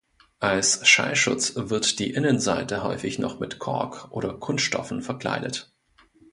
Als Schallschutz wird die Innenseite häufig noch mit Kork oder Kunststoffen verkleidet.